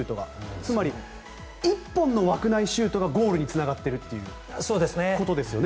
つまり１本の枠内シュートがゴールにつながっているということですよね。